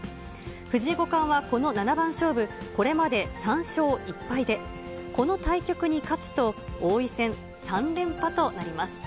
藤井五冠はこの七番勝負、これまで３勝１敗で、この対局に勝つと王位戦３連覇となります。